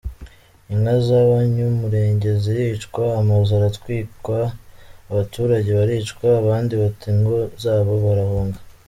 Inka zabanyamulenge ziricwa, amazu aratwikwa, abaturage baricwa abandi bata ingo zabo barahunga.